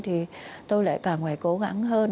thì tôi lại càng phải cố gắng hơn